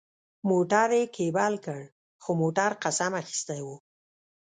موټر یې کېبل کړ، خو موټر قسم اخیستی و.